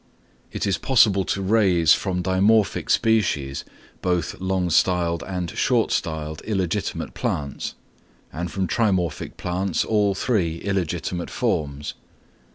It is possible to raise from dimorphic species, both long styled and short styled illegitimate plants, and from trimorphic plants all three illegitimate forms.